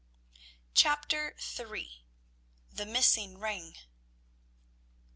CHAPTER III. THE MISSING RING.